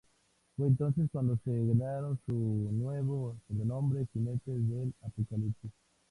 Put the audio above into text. Fue entonces cuando se ganaron su nuevo sobrenombre: "Jinetes del Apocalipsis".